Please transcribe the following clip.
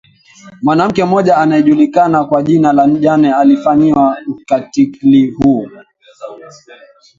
Mwanamke mmoja anaejulukana kwa jina la Jane alifanyiwa ukatitili huu